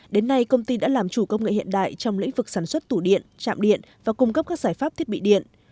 đến nay công ty đã làm chủ công nghệ hiện đại trong lĩnh vực sản xuất tủ điện trạm điện và cung cấp các giải pháp thiết bị điện